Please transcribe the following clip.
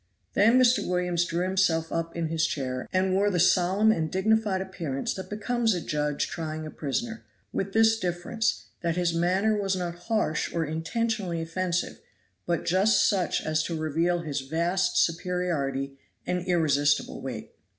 Then Mr. Williams drew himself up in his chair, and wore the solemn and dignified appearance that becomes a judge trying a prisoner, with this difference, that his manner was not harsh or intentionally offensive, but just such as to reveal his vast superiority and irresistible weight.